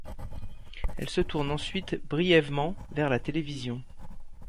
Elle se tourne ensuite brièvement vers la télévision.